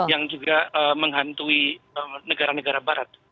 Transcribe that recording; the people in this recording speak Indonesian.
yang juga menghantui negara negara barat